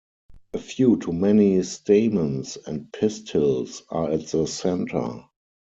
A few to many stamens and pistils are at the center.